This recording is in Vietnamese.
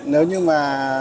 nếu như mà